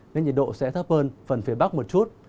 nên nhiệt độ sẽ thấp hơn phần phía bắc một chút